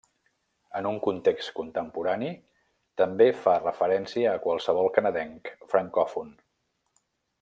En un context contemporani, també fa referència a qualsevol canadenc francòfon.